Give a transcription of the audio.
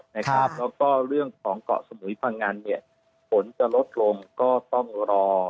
แล้วก็เรื่องของเกาะสมุยพังงันเนี่ยฝนจะลดลงก็ต้องรอ